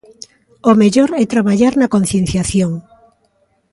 O mellor é traballar na concienciación.